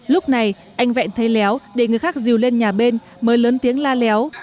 lúc này anh vẹn thấy léo để người khác dìu lên nhà bên mới lớn tiếng la léo